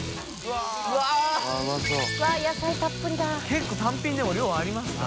結構単品でも量ありましたね。